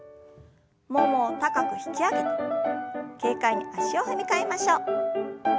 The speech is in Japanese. ももを高く引き上げて軽快に足を踏み替えましょう。